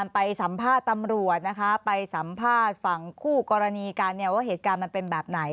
ไปสัมภาษณ์ฟังคู่กรณีการเนี่ยว่าเหตุการณ์มันเป็นแบบไหน